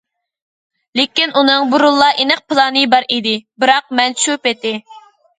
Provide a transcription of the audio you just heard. لېكىن ئۇنىڭ بۇرۇنلا ئېنىق پىلانى بار ئىدى، بىراق مەن شۇ پېتى.